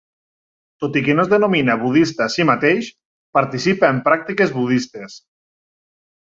Tot i que no es denomina budista a si mateix, participa en pràctiques budistes.